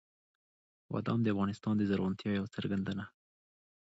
بادام د افغانستان د زرغونتیا یوه څرګنده نښه ده.